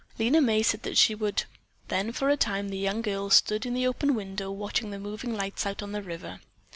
Lena May said that she would. Then for a time the young girl stood in the open window watching the moving lights out on the river.